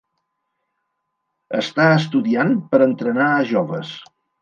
Està estudiant per entrenar a joves.